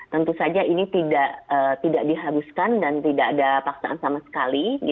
tentu saja ini tidak diharuskan dan tidak ada paksaan sama sekali